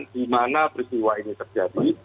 di mana peristiwa ini terjadi